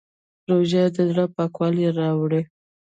روژه د زړه پاکوالی راوړي.